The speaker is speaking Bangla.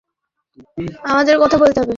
আমাদের কথা বলতে হবে।